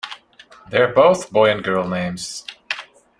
They are both boy and girl names.